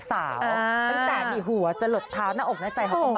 ตั้งแต่หัวจะหลดเท้าหน้าอกน่ะใจขอบคุณผู้ชมค่ะ